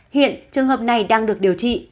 hiện trường hợp này đang được điều trị